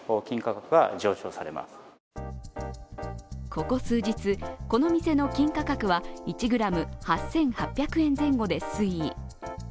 ここ数日、この店の金価格は１ｇ＝８８３０円ほどで推移。